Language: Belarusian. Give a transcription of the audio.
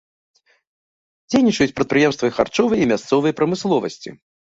Дзейнічаюць прадпрыемствы харчовай і мясцовай прамысловасці.